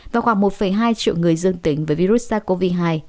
và khoảng một hai triệu người dương tính với virus sars cov hai